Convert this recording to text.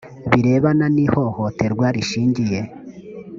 birebana n ihohoterwa rishingiye